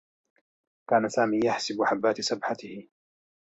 كان سامي يحسب حبّات سبحته.